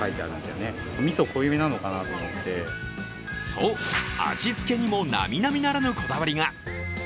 そう、味付けにも並々ならぬこだわりが。